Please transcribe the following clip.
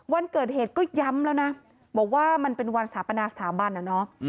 วันเกิดเหตุก็ย้ำแล้วนะบอกว่ามันเป็นวันสถาปนาสถาบันน่ะเนอะ